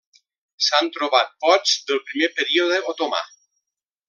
S'han trobat pots del primer període otomà.